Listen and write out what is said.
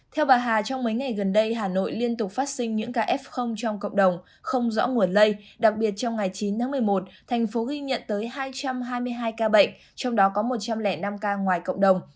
theo bà hà trong mấy ngày gần đây hà nội liên tục phát sinh những ca f trong cộng đồng không rõ nguồn lây đặc biệt trong ngày chín tháng một mươi một thành phố ghi nhận tới hai trăm hai mươi hai ca bệnh trong đó có một trăm linh năm ca ngoài cộng đồng